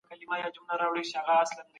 هغې په هرې تراژیدۍ باندې غریو نیوله.